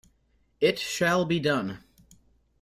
It shall be done!